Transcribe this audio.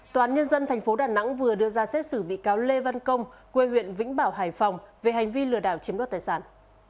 toán nhân dân thành phố đà nẵng vừa đưa ra xét xử bị cáo lê văn công quê huyện vĩnh bảo hải phòng về hành vi lừa đảo chiếm đốt tài sản